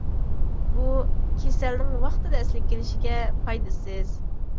بۇ كېسەلنىڭ ۋاقتىدا ئەسلىگە كېلىشىگە پايدىسىز.